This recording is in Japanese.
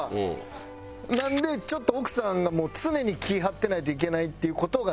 なのでちょっと奥さんがもう常に気ぃ張ってないといけないっていう事がないというか。